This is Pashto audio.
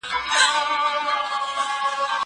زه سفر کړی دی!؟